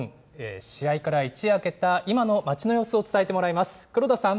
試合から一夜明けた、今の街の様子を伝えてもらいます、黒田さん。